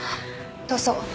どうぞ。